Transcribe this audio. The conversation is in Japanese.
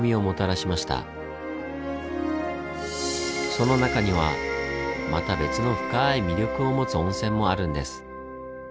その中にはまた別の深い魅力を持つ温泉もあるんです。